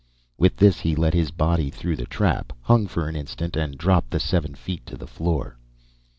With this he let his body through the trap, hung for an instant, and dropped the seven feet to the floor.